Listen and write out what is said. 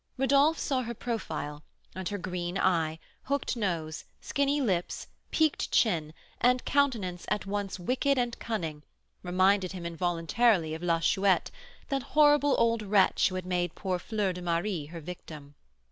Rodolph saw her profile, and her green eye, hooked nose, skinny lips, peaked chin, and countenance at once wicked and cunning, reminded him involuntarily of La Chouette, that horrible old wretch who had made poor Fleur de Marie her victim.